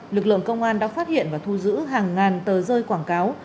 lực lượng công an đã phát hiện và thu giữ hàng ngàn tờ rơi quảng cáo